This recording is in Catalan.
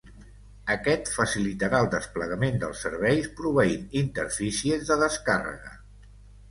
Aquest facilitarà el desplegament dels serveis proveint interfícies de descàrrega.